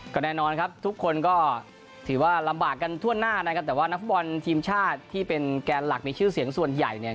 ก็แน่นอนครับทุกคนก็ถือว่าลำบากกันทั่วหน้านะครับแต่ว่านักฟุตบอลทีมชาติที่เป็นแกนหลักในชื่อเสียงส่วนใหญ่เนี่ย